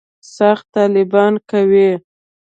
سخت طالبان یې کوي.